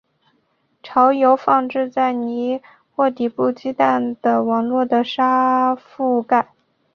巢由放置在泥或底部鸡蛋的网络的沙覆盖。